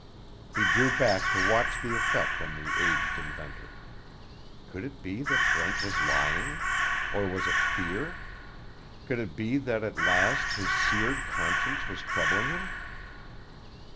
He drew back to watch the effect on the aged inventor. Could it be that Brent was lying? Or was it fear? Could it be that at last his seared conscience was troubling him?